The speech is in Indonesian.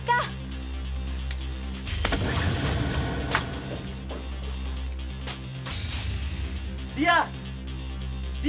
dia dia dia